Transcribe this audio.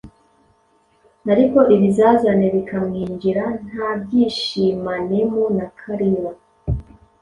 ariko ibizazane bikamwinjira, ntabyishimanemo na Kalira